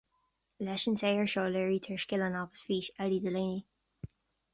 Leis an saothar seo léirítear scileanna agus fís Eddie Delaney